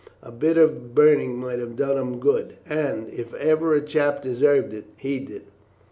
A bit of burning might have done him good; and, if ever a chap deserved it, he did."